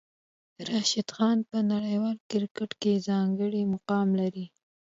راشد خان په نړیوال کرکټ کې ځانګړی مقام لري.